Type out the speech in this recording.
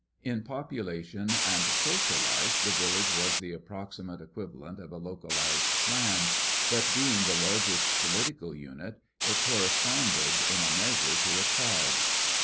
In population and social life the village was the approximate equivalent of a localized clan, but being the largest political unit, it corresponded in a measure to a tribe.